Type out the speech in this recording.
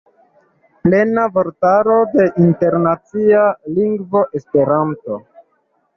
Plena vortaro de internacia lingvo Esperanto.